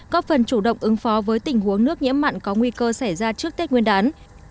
có phần chủ động ứng phó với tình huống nước nhiễm mặn có nguy cơ xảy ra trước tết nguyên đán